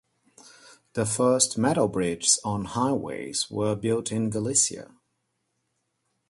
The first metal bridges on highways were built in Galicia.